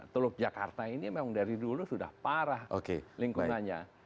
teluk jakarta ini memang dari dulu sudah parah lingkungannya